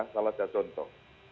salah satu contoh